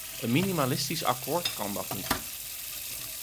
Een minimalistisch akkoord kan dat niet.